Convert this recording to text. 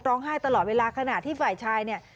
ให้ตลอดเวลาขณะที่ฝ่ายชายเนี่ย